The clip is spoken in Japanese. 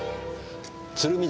鶴見